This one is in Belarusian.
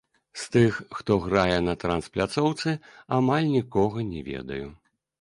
З тых, хто грае на транс-пляцоўцы, амаль нікога не ведаю.